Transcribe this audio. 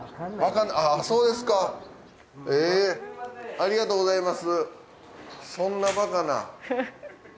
ありがとうございます。